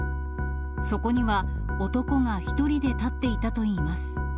そこには、男が１人で立っていたといいます。